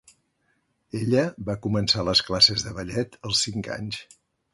Ella va començar les classes de ballet als cinc anys.